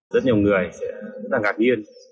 rất nhiều người sẽ rất là ngạc nhiên